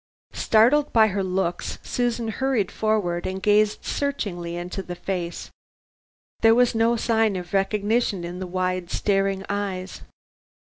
Startled by her looks Susan hurried forward and gazed searchingly into the face. There was no sign of recognition in the wide, staring eyes.